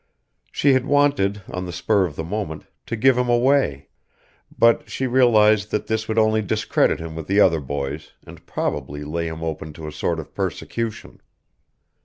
She had wanted, on the spur of the moment, to give him away; but she realised that this would only discredit him with the other boys and probably lay him open to a sort of persecution.